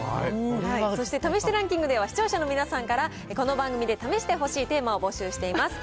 そして試してランキングでは、視聴者の皆さんから、この番組で試してほしいテーマを募集しています。